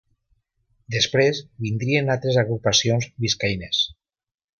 Després vindrien altres agrupacions biscaïnes.